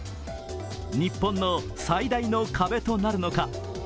日本の最大の壁となるのか。